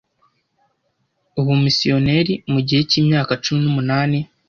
Ubumisiyoneri mugihe cyimyaka cumi n'umunani